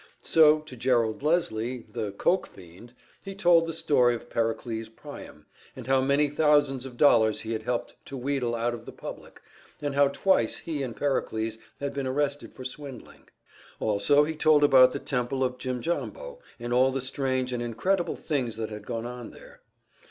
So to Gerald Leslie, the "coke" fiend, he told the story of Pericles Priam, and how many thousands of dollars he had helped to wheedle out of the public, and how twice he and Pericles had been arrested for swindling. Also he told about the Temple of Jimjambo, and all the strange and incredible things that had gone on there.